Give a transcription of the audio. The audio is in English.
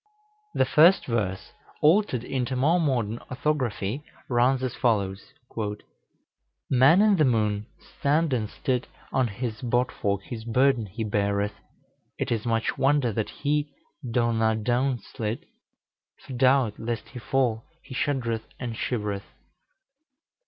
The first verse, altered into more modern orthography, runs as follows: "Man in the Moon stand and stit, On his bot fork his burden he beareth, It is much wonder that he do na doun slit, For doubt lest he fall he shudd'reth and shivereth.